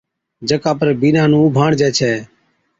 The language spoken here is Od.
جڪا پر بِينڏا نُون اُڀاڻجي ڇَي